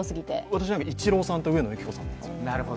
私、イチローさんと上野由岐子さんなんですよ。